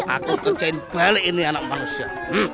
aku kerjain balik ini anak manusia